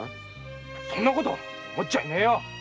そんなこと思っちゃいないよ